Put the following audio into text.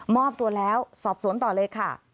อบตัวแล้วสอบสวนต่อเลยค่ะ